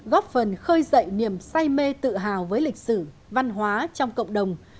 góp phần khơi dậy niềm say mê tự hào với lịch sử văn hóa trong cộng đồng